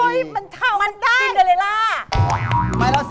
เหมาะเท่านั้น